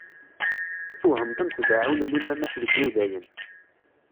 Ad twehmeḍ amek deɛɛun limamat deg Udayen.